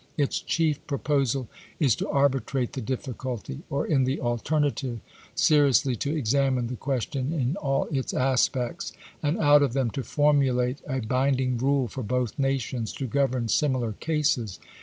Its chief proposal is to arbitrate the difficulty, or in the alternative seri ously to examine the question in all its aspects, and out of them to formulate a binding rule for both nations to govern similar cases.